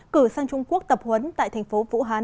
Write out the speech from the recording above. cử sang trung quốc tập huấn tại thành phố vũ hán